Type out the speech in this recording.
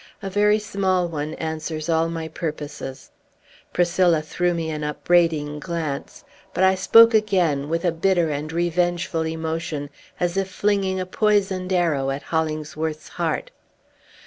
"A very small one answers all my purposes." Priscilla threw me an upbraiding glance. But I spoke again, with a bitter and revengeful emotion, as if flinging a poisoned arrow at Hollingsworth's heart.